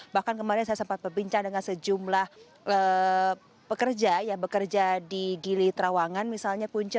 bahkan kemarin saya sempat berbincang dengan sejumlah pekerja yang bekerja di gili trawangan misalnya punca